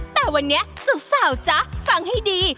แต่วันนี้สาวจ๊ะฟังให้ดี